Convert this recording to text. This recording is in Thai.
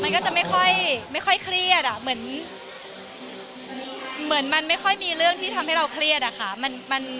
มันก็จะไม่ค่อยเครียดอ่ะเหมือนมันไม่ค่อยมีเรื่องที่ทำให้เราเครียดอะค่ะ